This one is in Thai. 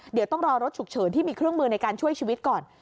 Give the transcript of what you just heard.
เดี๋ยวต้องรอรถฉุกเฉินที่มีเครื่องมือในการช่วยชีวิตก่อน